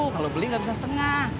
kalau beli nggak bisa setengah